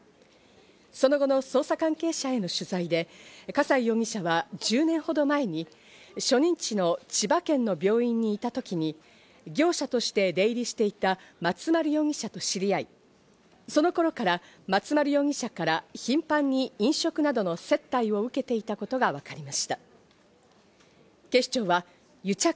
その後の捜査関係者への取材で笠井容疑者は１０年ほど前に初任地の千葉県の病院にいた時に業者として出入りしていた松丸容疑者と知り合い、その頃から松丸容疑者から頻繁に飲食などの接待を受けていたことが分かりま